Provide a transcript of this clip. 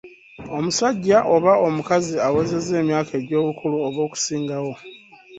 Omusajja oba omukazi awezezza emyaka egy'obukulu oba okusingawo.